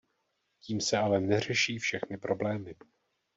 Tím se ale neřeší všechny problémy.